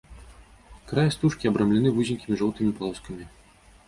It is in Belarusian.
Края стужкі абрамлены вузенькімі жоўтымі палоскамі.